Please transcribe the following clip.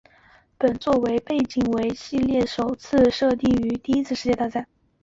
本作的背景为系列首次设定于第一次世界大战。